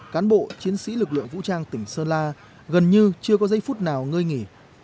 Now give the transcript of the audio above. cán bộ chiến sĩ lực lượng vũ trang tỉnh sơn la gần như chưa có giây phút nào ngơi nghỉ